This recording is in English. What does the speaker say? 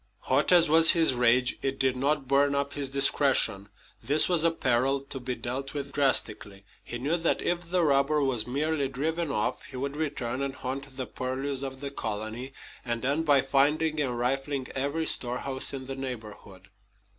Hot as was his rage, it did not burn up his discretion. This was a peril to be dealt with drastically. He knew that, if the robber was merely driven off, he would return and haunt the purlieus of the colony, and end by finding and rifling every storehouse in the neighborhood.